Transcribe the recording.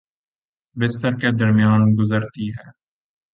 بستر کے درمیان گزرتی ہے